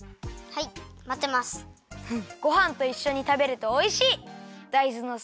ごはんといっしょにたべるとおいしい！